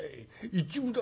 『一分だ』